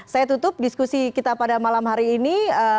saya tutup diskusi kita pada malam hari ini